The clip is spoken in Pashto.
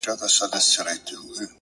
خالونه دي د ستورو له کتاره راوتلي!!